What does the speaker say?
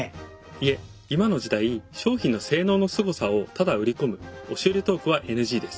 いえ今の時代商品の性能のすごさをただ売り込む押し売りトークはＮＧです。